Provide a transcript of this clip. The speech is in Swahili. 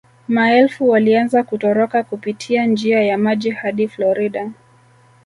Maelfu walianza kutoroka kupitia njia ya maji hadi Florida